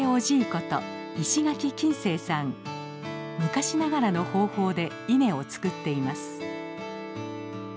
こと昔ながらの方法で稲を作っています。